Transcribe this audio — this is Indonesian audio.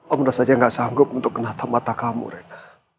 om rasanya gak sanggup untuk menata mata kamu rena